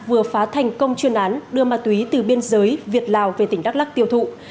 vừa phá thành công chuyên án đưa ma túy từ biên giới việt lào về tỉnh đắk lắc tiêu thụ